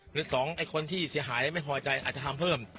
หรือสองไอ้คนที่เสียหายไม่พอใจอาจจะทำเพิ่ม